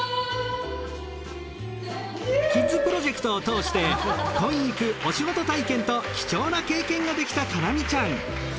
キッズプロジェクトをとおして婚育お仕事体験と貴重な経験ができた叶望ちゃん。